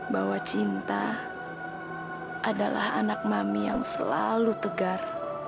bahwa cinta adalah anak mami yang selalu tegar